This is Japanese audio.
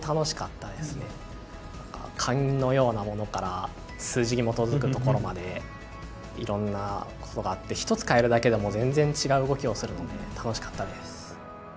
何か勘のようなものから数字に基づくところまでいろんな事があって１つ変えるだけでも全然違う動きをするので楽しかったです。